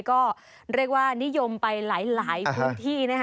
ก็เรียกว่านิยมไปหลายพื้นที่นะคะ